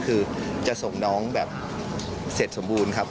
คือจะส่งน้องแบบเสร็จสมบูรณ์ครับ